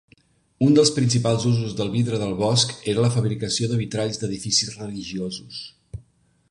Un dels principals usos del vidre del bosc era la fabricació de vitralls d'edificis religiosos.